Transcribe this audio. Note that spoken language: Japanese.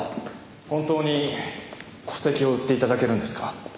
本当に戸籍を売って頂けるんですか？